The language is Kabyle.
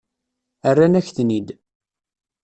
Rran-ak-ten-id.